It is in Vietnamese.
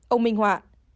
ông minh họa